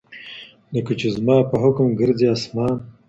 لکه چي زما په حکم ګرځي اسمان